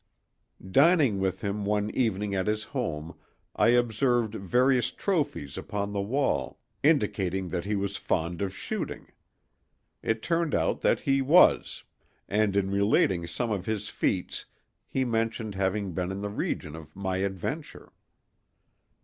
Dining with him one evening at his home I observed various "trophies" upon the wall, indicating that he was fond of shooting. It turned out that he was, and in relating some of his feats he mentioned having been in the region of my adventure.